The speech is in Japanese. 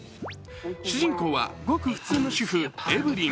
主人公はごく普通の主婦、エヴリン。